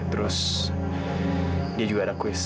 terus dia juga ada quiz